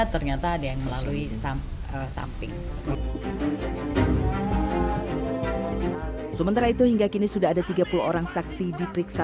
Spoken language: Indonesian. ternyata ada yang melalui samping sementara itu hingga kini sudah ada tiga puluh orang saksi diperiksa